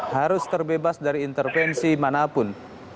harus terbebas dari intervensi manapun